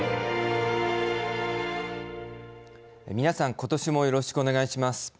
皆さん、ことしもよろしくお願いします。